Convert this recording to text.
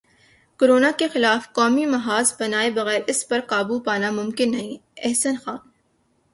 corona کے خلاف قومی محاذ بنائے بغیر اس پر قابو پانا ممکن نہیں احسن خان